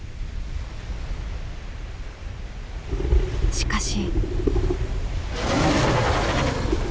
しかし。